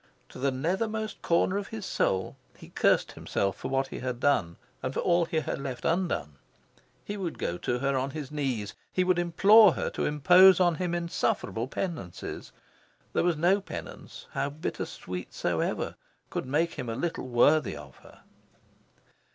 To the nethermost corner of his soul, he cursed himself for what he had done, and for all he had left undone. He would go to her on his knees. He would implore her to impose on him insufferable penances. There was no penance, how bittersweet soever, could make him a little worthy of her.